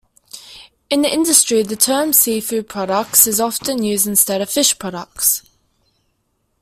In the industry the term "seafood products" is often used instead of "fish products".